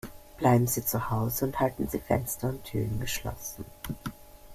Bleiben Sie zu Hause und halten Sie Fenster und Türen geschlossen.